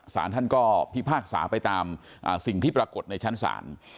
สารท่านก็พิพากษาไปตามสิ่งที่ปรากฏในชั้นศาล